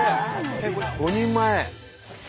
５人前！